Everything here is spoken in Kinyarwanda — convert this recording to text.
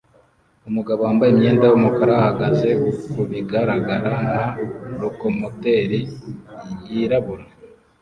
Umugabo wambaye imyenda yumukara ahagaze kubigaragara nka lokomoteri yirabura